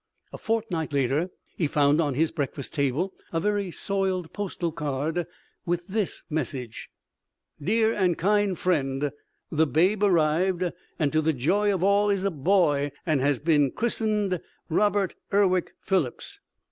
A fortnight later he found on his breakfast table a very soiled postal card with this message: Dear and kind friend, the babe arrived and to the joy of all is a boy and has been cristened Robert Urwick Phillips.